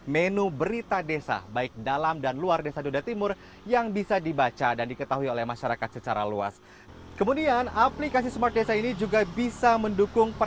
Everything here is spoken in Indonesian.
pengisian ulang pulsa dan pembayaran rekening listrik